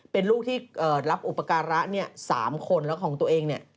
เป็นลูกที่รับอุปการะเนี่ย๓คนแล้วของตัวเองเนี่ย